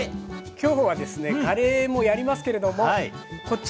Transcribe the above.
きょうはですねカレーもやりますけれどもこっち。